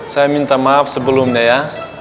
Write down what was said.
saya minta maaf sebelumnya ya